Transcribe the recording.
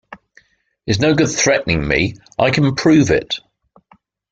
It's no good threatening me. I can prove it!